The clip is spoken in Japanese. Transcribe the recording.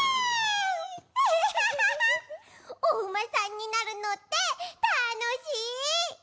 おうまさんになるのってたのしい！